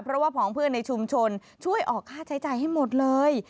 เพราะว่าผองเพื่อนในชุมชนช่วยออกค่าใช้จ่ายให้หมดเลย